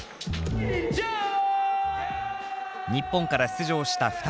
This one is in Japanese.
日本から出場した２人。